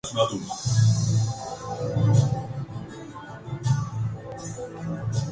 central development working party نے M L one منصوبہ حتمی منظوری کیلئے ایکنک کو بھجوادیا